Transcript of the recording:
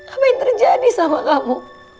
apa yang terjadi sama kamu